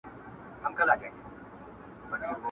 ¬ د مغل زور په دهقان، د دهقان زور په مځکه.